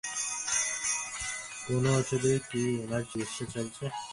কোনো ঔষধে কি ওনার চিকিৎসা চলছে?